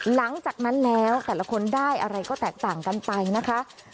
หลังจากนั้นแล้วแต่ละคนได้อะไรก็แตกต่างกันไปนะคะ